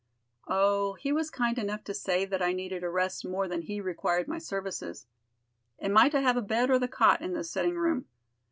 "Oh, he was kind enough to say that I needed a rest more than he required my services. Am I to have a bed or the cot in this sitting room?"